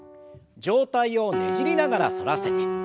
上体をねじりながら反らせて。